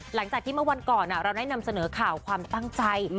หลังจากที่เมื่อวันก่อนเราได้นำเสนอข่าวความตั้งใจ